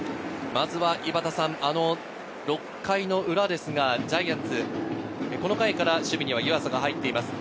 まずは、６回の裏ですが、ジャイアンツ、この回から守備には湯浅が入っています。